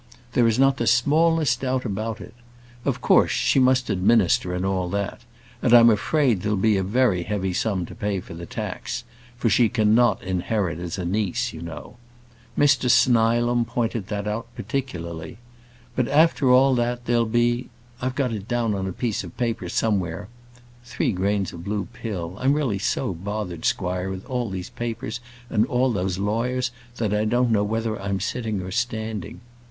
There is not the smallest doubt about it. Of course, she must administer, and all that; and I'm afraid there'll be a very heavy sum to pay for the tax; for she cannot inherit as a niece, you know. Mr Snilam pointed that out particularly. But, after all that, there'll be I've got it down on a piece of paper, somewhere three grains of blue pill. I'm really so bothered, squire, with all these papers, and all those lawyers, that I don't know whether I'm sitting or standing.